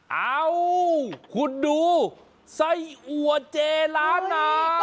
เอ้าคุณดูไส้อัวเจล้านนา